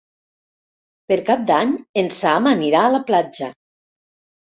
Per Cap d'Any en Sam anirà a la platja.